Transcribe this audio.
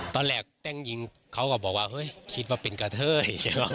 ตอนแรกแต้งยิงเขาก็บอกว่าเฮ้ยคิดว่าเป็นกระเทยใช่ไหม